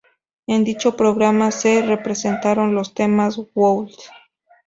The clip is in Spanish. En dicho programa se representaron los temas "Would?